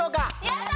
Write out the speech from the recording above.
やった！